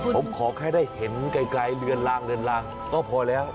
ผมขอแค่ได้เห็นไกลเหลือนล่างก็พอแล้ว